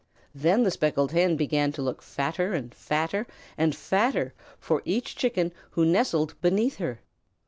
Then the Speckled Hen began to look fatter and fatter and fatter for each Chicken who nestled beneath her.